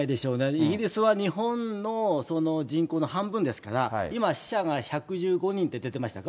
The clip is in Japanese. イギリスは日本の人口の半分ですから、今は死者が１１５人って出てましたか？